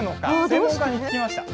専門家に聞きました。